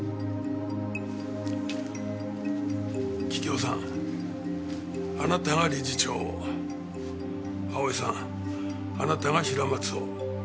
桔梗さんあなたが理事長を葵さんあなたが平松を。